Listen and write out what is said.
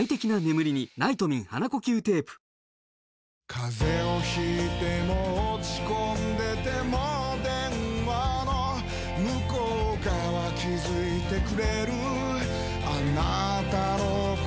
風邪を引いても落ち込んでても電話の向こう側気付いてくれるあなたの声